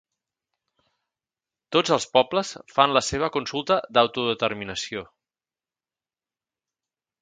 Tots els pobles fan la seva consulta d'autodeterminació.